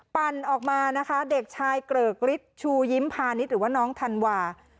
ปั่นออกมานะคะเด็กชายเกริกฤทธิ์ชูยิ้มพาณิชย์หรือว่าน้องธันวา